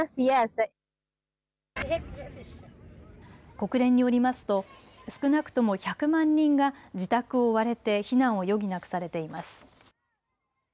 国連によりますと少なくとも１００万人が自宅を追われて避難を余儀なくされています。